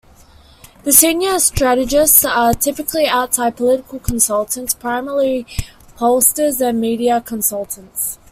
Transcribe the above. The senior strategists are typically outside political consultants, primarily pollsters and media consultants.